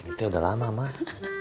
itu udah lama mah